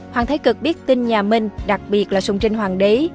hoàng thái cực biết tin nhà minh đặc biệt là sùng trinh hoàng đế